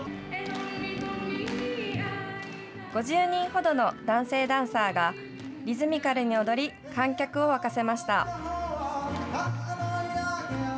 ５０人ほどの男性ダンサーが、リズミカルに踊り、観客を沸かせました。